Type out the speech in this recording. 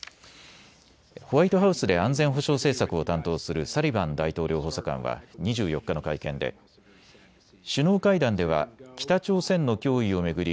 ホワイトハウスで安全保障政策を担当するサリバン大統領補佐官は２４日の会見で首脳会談では北朝鮮の脅威を巡り